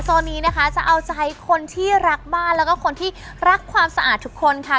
ตอนนี้นะคะจะเอาใจคนที่รักบ้านแล้วก็คนที่รักความสะอาดทุกคนค่ะ